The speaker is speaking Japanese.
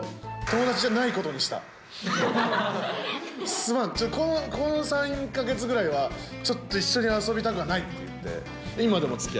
「すまんこの３か月ぐらいはちょっと一緒に遊びたくない」って言って。